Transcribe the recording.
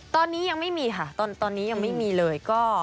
ตอนนี้ยังไม่มีค่ะตอนนี้ยังไม่มีเลย